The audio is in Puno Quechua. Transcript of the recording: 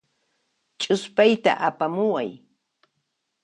Ch'uspayta apamuway.